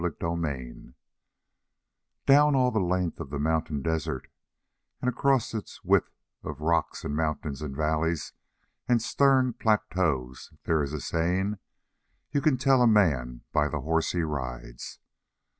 CHAPTER 9 Down all the length of the mountain desert and across its width of rocks and mountains and valleys and stern plateaus there is a saying: "You can tell a man by the horse he rides."